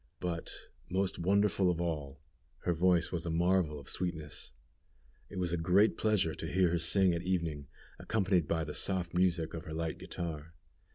But, most wonderful of all, her voice was a marvel of sweetness. It was a great pleasure to hear her sing at evening, accompanied by the soft music of her light guitar.